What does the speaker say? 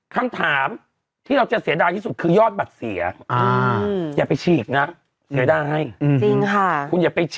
คำถามที่เราจะเสียดายที่สุดคือยอดบัตรเสียอย่าไปฉีกนะเสียดายจริงค่ะ